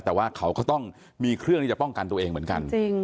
แต่ว่าเขาก็ต้องมีเครื่องที่จะป้องกันตัวเองเหมือนกัน